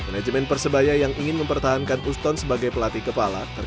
manajemen persebaya yang ingin mempertahankan uston sebagai pelatih kepala